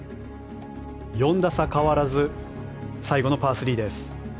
４打差、変わらず最後のパー３です。